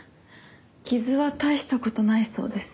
傷は大した事ないそうです。